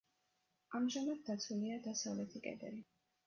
ამჟამად დაცულია დასავლეთი კედელი.